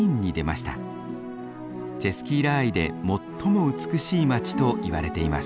チェスキーラーイで最も美しい街といわれています。